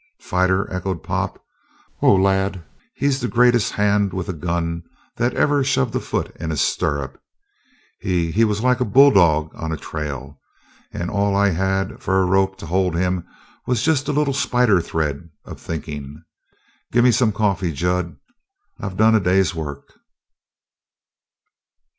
"Fighter?" echoed Pop. "Oh, lad, he's the greatest hand with a gun that ever shoved foot into stirrup. He he was like a bulldog on a trail and all I had for a rope to hold him was just a little spider thread of thinking. Gimme some coffee, Jud. I've done a day's work."